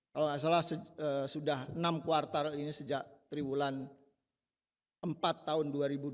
kalau nggak salah sudah enam kuartal ini sejak triwulan empat tahun dua ribu dua puluh